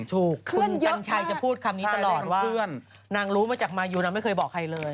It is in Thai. ถูกคุณกัญชัยจะพูดคำนี้ตลอดว่าเพื่อนนางรู้มาจากมายูนางไม่เคยบอกใครเลย